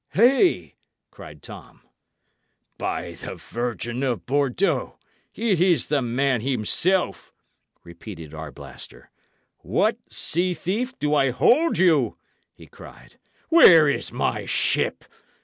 "Hey!" cried Tom. "By the Virgin of Bordeaux, it is the man himself!" repeated Arblaster. "What, sea thief, do I hold you?" he cried. "Where is my ship?